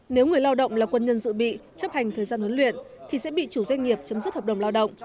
nếu người lao động là quân nhân dự bị chấp hành thời gian huấn luyện thì sẽ bị chủ doanh nghiệp chấm dứt hợp đồng lao động